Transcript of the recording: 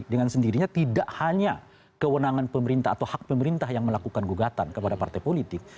dengan sendirinya tidak hanya kewenangan pemerintah atau hak pemerintah yang melakukan gugatan kepada partai politik